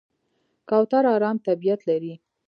کوتره آرام طبیعت لري.